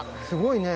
すごい。